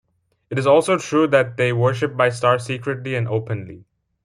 It is also true that they worship my star secretly and openly.